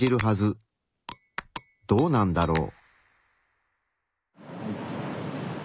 どうなんだろう？